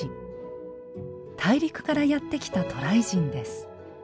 大陸からやって来た渡来人です。